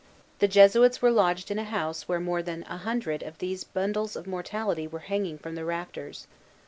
The Jesuits were lodged in a house where more than a hundred of these bundles of mortality were hanging from the rafters.